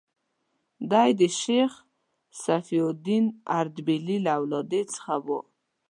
دی د شیخ صفي الدین اردبیلي له اولادې څخه و.